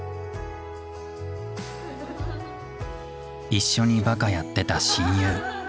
一緒にバカやってた親友。